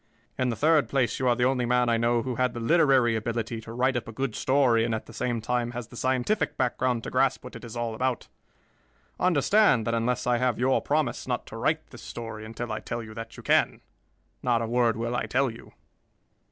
In the third place, you are the only man I know who had the literary ability to write up a good story and at the same time has the scientific background to grasp what it is all about. Understand that unless I have your promise not to write this story until I tell you that you can, not a word will I tell you."